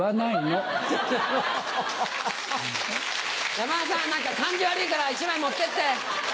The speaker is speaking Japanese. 山田さん何か感じ悪いから１枚持ってって。